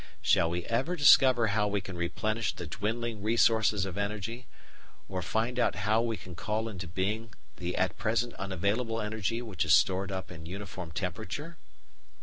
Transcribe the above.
Shall we ever discover how we can replenish the dwindling resources of energy, or find out how we can call into being the at present unavailable energy which is stored up in uniform temperature?